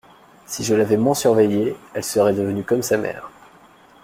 Si je l’avais moins surveillée, elle serait devenue comme sa mère.